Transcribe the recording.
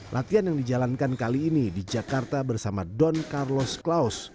latihan yang dijalankan kali ini di jakarta bersama don carlos klaus